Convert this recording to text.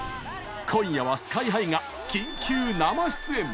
今夜はＳＫＹ‐ＨＩが緊急生出演。